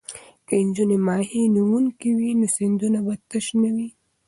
که نجونې ماهي نیونکې وي نو سیندونه به تش نه وي.